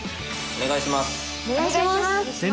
お願いします！